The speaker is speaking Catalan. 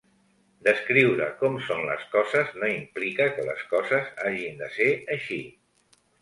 Descriure com són les coses no implica que les coses hagin de ser així.